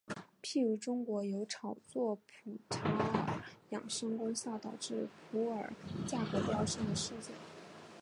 譬如中国有炒作普洱茶养生功效导致普洱价格飙升的事件。